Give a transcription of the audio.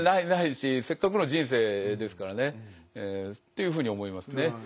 ないですしせっかくの人生ですからねっていうふうに思いますね。